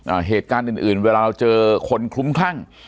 อ่าเหตุการณ์อื่นอื่นเวลาเราเจอคนคลุ้มคลั่ง